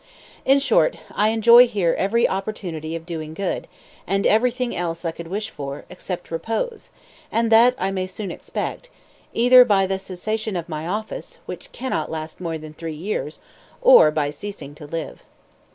"In short, I enjoy here every opportunity of doing good, and everything else I could wish for, except repose; and that I may soon expect, either by the cessation of my office, which cannot last more than three years, or by ceasing to live."